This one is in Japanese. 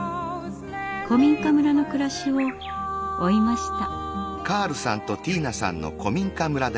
古民家村の暮らしを追いました。